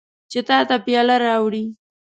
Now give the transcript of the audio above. چې تا ته پیاله راوړي.